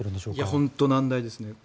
本当に難題ですね。